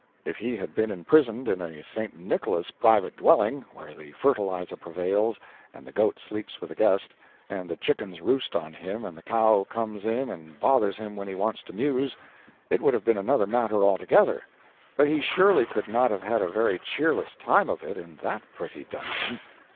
If he had been imprisoned in a St. Nicholas private dwelling, where the fertilizer prevails, and the goat sleeps with the guest, and the chickens roost on him and the cow comes in and bothers him when he wants to muse, it would have been another matter altogether; but he surely could not have had a very cheerless time of it in that pretty dungeon.